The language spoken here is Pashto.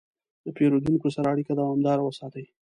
د پیرودونکو سره اړیکه دوامداره وساتئ.